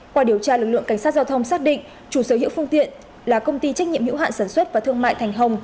qua điều tra lực lượng cảnh sát giao thông xác định chủ sở hữu phương tiện là công ty trách nhiệm hữu hạn sản xuất và thương mại thành hồng